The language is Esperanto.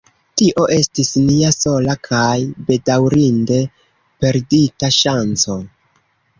Tio estis nia sola kaj bedaŭrinde perdita ŝanco.